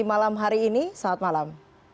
malam hari ini selamat malam